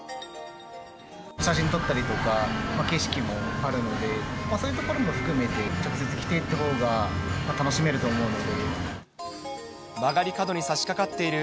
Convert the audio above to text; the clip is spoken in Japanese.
写真撮ったりとか、景色もあるので、そういうところも含めて、直接来てというほうが楽しめると思うので。